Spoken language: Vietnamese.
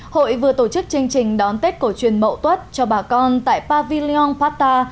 hội vừa tổ chức chương trình đón tết cổ truyền mậu tuất cho bà con tại pavillon pata